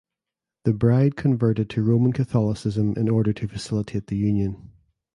The bride converted to Roman Catholicism in order to facilitate the union.